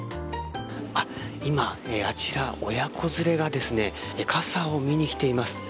今、あちらの親子連れが傘を見に来ています。